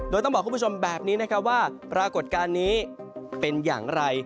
โดยต้องบอกคุณผู้ชมแบบนี้นะครับว่าปรากฏการณ์นี้เป็นอย่างไร